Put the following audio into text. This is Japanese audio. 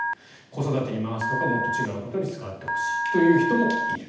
子育てに回すとかもっと違うことに使ってほしいという人もいる。